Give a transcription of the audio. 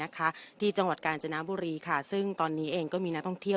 ที่จังหวัดกาญจนบุรีค่ะซึ่งตอนนี้เองก็มีนักท่องเที่ยว